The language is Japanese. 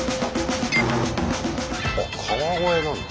あ川越なんだ。